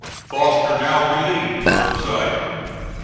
Foster now relieved Burnside.